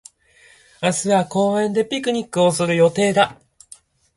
明日は公園でピクニックをする予定だ。